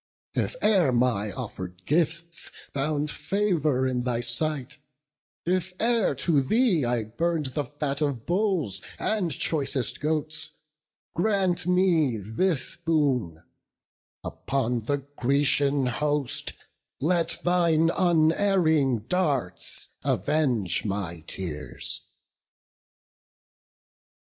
if e'er my offered gifts Found favour in thy sight; if e'er to thee I burn'd the fat of bulls and choicest goats, Grant me this boon—upon the Grecian host Let thine unerring darts avenge my tears."